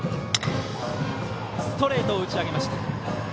ストレートを打ち上げました。